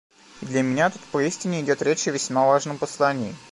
И для меня тут поистине идет речь о весьма важном послании.